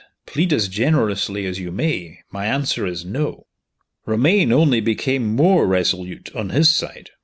"Plead as generously as you may, my answer is, No." Romayne only became more resolute on his side.